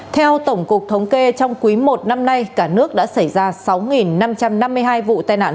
theo tổng cục thống kê trong quý i năm nay cả nước đã xảy ra sáu năm trăm năm mươi hai vụ tai nạn